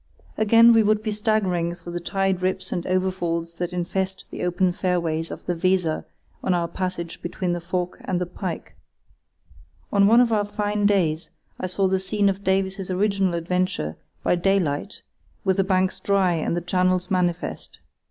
Again, we would be staggering through the tide rips and overfalls that infest the open fairway of the Weser on our passage between the Fork and the Pike. On one of our fine days I saw the scene of Davies's original adventure by daylight with the banks dry and the channels manifest.